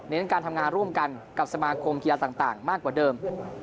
การทำงานร่วมกันกับสมาคมกีฬาต่างมากกว่าเดิม